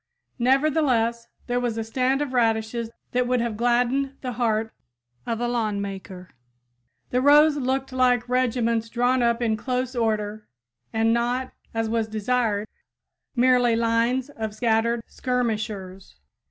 Nevertheless, there was a stand of radishes that would have gladdened the heart of a lawn maker! The rows looked like regiments drawn up in close order and not, as was desired, merely lines of scattered skirmishers.